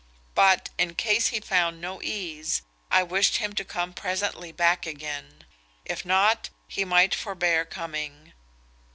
But, in case he found no ease, I wished him to come presently back again; if not, he might forbear coming.